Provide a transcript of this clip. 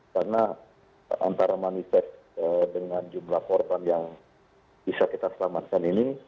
karena antara maniset dengan jumlah korban yang bisa kita selamatkan ini